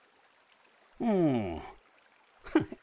うんフッ